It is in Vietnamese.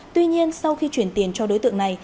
tuy nhiên sau khi chuyển tiền cho đối tượng này